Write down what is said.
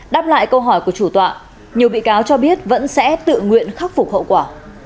đáp lại câu hỏi của chủ tọa nhiều bị cáo cho biết vẫn sẽ tự nguyện khắc phục hậu quả